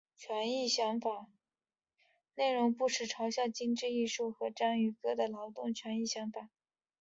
内容不时嘲笑精致艺术和章鱼哥的劳工权益想法。